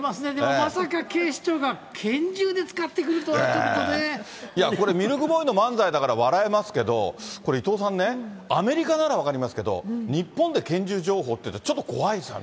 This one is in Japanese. まさか警視庁が拳銃で使ってくるこれ、ミルクボーイの漫才だから笑えますけど、これ、伊藤さんね、アメリカなら分かりますけど、日本で拳銃情報って、ちょっと怖いですよね。